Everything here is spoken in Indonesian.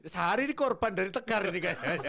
sari dikorban dari tekanan